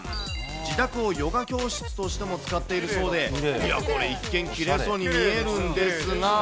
自宅をヨガ教室としても使っているそうで、いや、これ、一見きれいそうに見えるんですが。